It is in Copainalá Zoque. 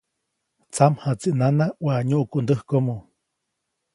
Tsamjaʼtsi nana waʼa nyuʼku ndäkomoʼ.